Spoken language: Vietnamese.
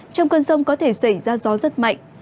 trong cơn rông có thể xảy ra gió rất mạnh